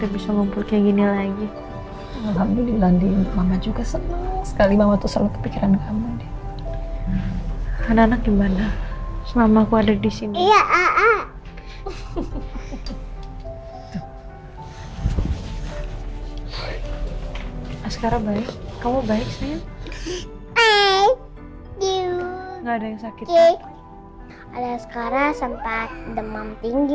ada yang sekarang sempat demam tinggi